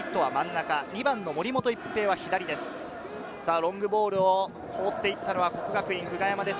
ロングボールを放って行ったのは國學院久我山です。